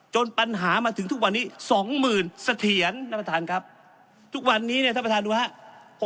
ปัญหามาถึงทุกวันนี้สองหมื่นเสถียรท่านประธานครับทุกวันนี้เนี่ยท่านประธานดูครับ